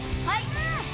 はい！